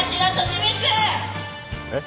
えっ？